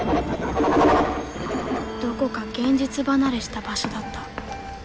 どこか現実離れした場所だった。